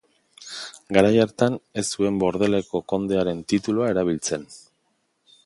Garai hartan ez zuen Bordeleko kondearen titulua erabiltzen.